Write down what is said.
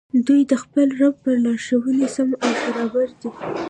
دوى د خپل رب په لارښووني سم او برابر دي